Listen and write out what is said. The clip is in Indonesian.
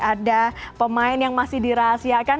ada pemain yang masih dirahasiakan